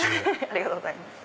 ありがとうございます。